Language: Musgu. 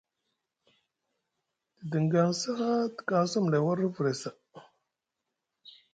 Te diŋgaŋsi haa te kaŋsi amlay war vre saa.